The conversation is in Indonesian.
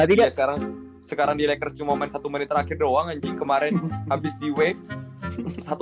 tadi ya sekarang sekarang di lakers cuma main satu menit terakhir doang anjing kemarin habis di wave